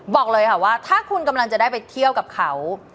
บอกเลยค่ะว่าถ้าคุณกำลังจะได้ไปเที่ยวกับเขา